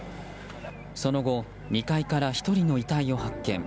その後、２階から１人の遺体を発見。